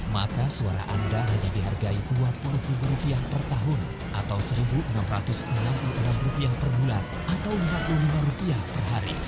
maka suara anda hanya dihargai dua puluh ribu rupiah per tahun atau satu enam ratus enam puluh enam rupiah per bulan atau lima puluh lima rupiah per hari